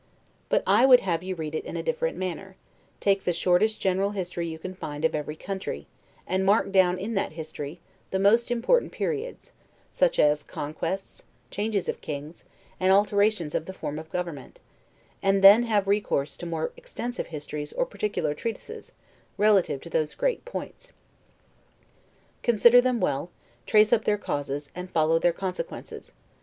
But I would have you read it in a different manner; take the shortest general history you can find of every country; and mark down in that history the most important periods, such as conquests, changes of kings, and alterations of the form of government; and then have recourse to more extensive histories or particular treatises, relative to those great points. Consider them well, trace up their causes, and follow their consequences.